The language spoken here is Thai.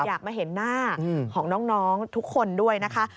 อยากมาเห็นหน้าของน้องทุกคนด้วยนะคะ